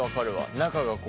中がこう。